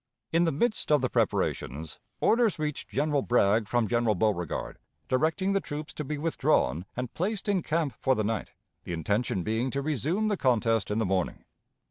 "In the midst of the preparations, orders reached General Bragg from General Beauregard directing the troops to be withdrawn and placed in camp for the night the intention being to resume the contest in the morning.